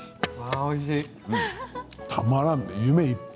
おいしい。